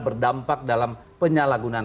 berdampak dalam penyalahgunan